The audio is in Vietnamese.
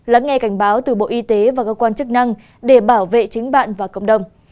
lắng nghe cảnh báo từ bộ y tế và cơ quan chức năng để bảo vệ chính bạn và cộng đồng